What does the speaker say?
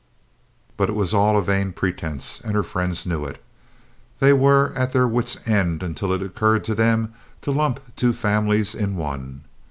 But it was all a vain pretense, and her friends knew it. They were at their wits' end until it occurred to them to lump two families in one.